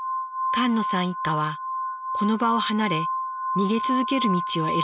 菅野さん一家はこの場を離れ逃げ続ける道を選びました。